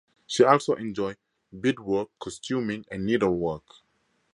She also enjoys beadwork, costuming, and needlework.